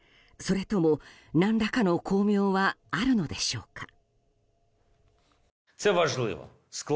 それとも何らかの光明はあるのでしょうか。